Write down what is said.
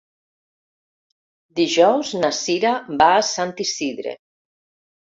Dijous na Cira va a Sant Isidre.